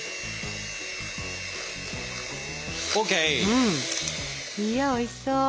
うん。いやおいしそう。